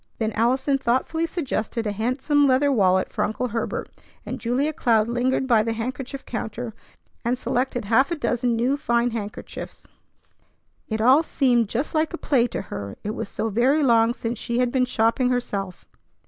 Then Allison thoughtfully suggested a handsome leather wallet for Uncle Herbert, and Julia Cloud lingered by the handkerchief counter, and selected half a dozen new fine handkerchiefs. It all seemed just like a play to her, it was so very long since she had been shopping herself.